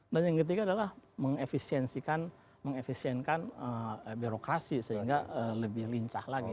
dan yang ketiga adalah mengefisiensikan mengefisiensikan birokrasi sehingga lebih lincah lagi